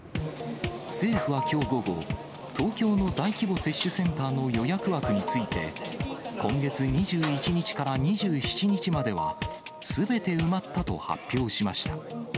政府はきょう午後、東京の大規模接種センターの予約枠について、今月２１日から２７日までは、すべて埋まったと発表しました。